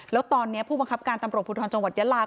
แล้วตอนนี้ผู้บังคับการตำรวจภูทรจังหวัดยาลา